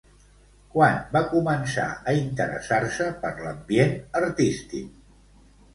Quan va començar a interessar-se per l'ambient artístic?